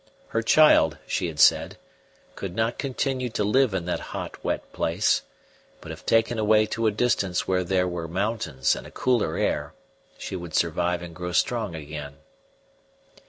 Her child, she had said, could not continue to live in that hot wet place, but if taken away to a distance where there were mountains and a cooler air she would survive and grow strong again.